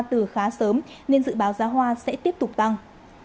từ khá sớm nên dự báo giá hoa sẽ tiếp tục tăng